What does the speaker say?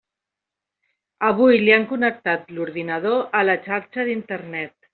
Avui li han connectat l'ordinador a la xarxa d'Internet.